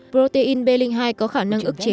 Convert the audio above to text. protein b hai có khả năng ức chế